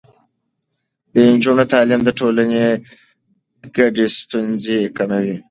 د نجونو تعليم د ټولنې ګډې ستونزې کموي.